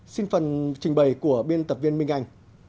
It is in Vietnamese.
xin phần trình bày của biên tập viên minh anh